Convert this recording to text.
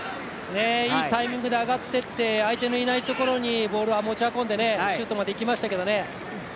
いいタイミングで上がっていって相手のいないところにボールを持ち運んでシュートができましたけどね。